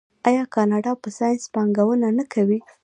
آیا کاناډا په ساینس پانګونه نه کوي؟